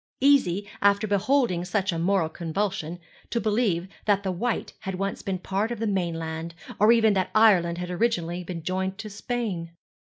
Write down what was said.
Easy, after beholding such a moral convulsion, to believe that the Wight had once been part of the mainland; or even that Ireland had originally been joined to Spain.